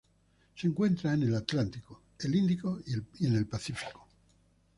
Se encuentra en el Atlántico, el Índico y en el Pacífico.